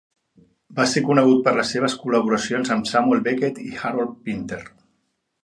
Va ser conegut per les seves col·laboracions amb Samuel Beckett i Harold Pinter.